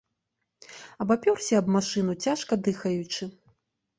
Абапёрся аб машыну, цяжка дыхаючы.